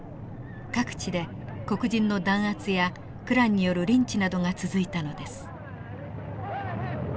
各地で黒人の弾圧やクランによるリンチなどが続いたのです。